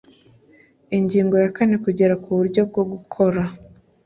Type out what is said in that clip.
Ingingo ya kane Kugera ku buryo bwo gukora